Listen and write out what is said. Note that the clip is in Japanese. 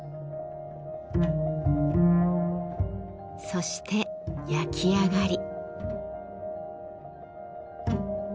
そして焼き上がり。